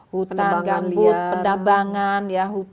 hutan gambut pendabangan